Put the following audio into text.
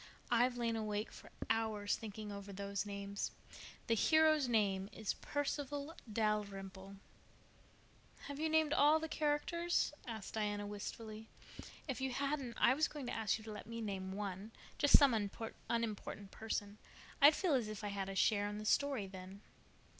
I've lain awake for hours thinking over those names. The hero's name is Perceval Dalrymple." "Have you named all the characters?" asked Diana wistfully. "If you hadn't I was going to ask you to let me name one—just some unimportant person. I'd feel as if I had a share in the story then."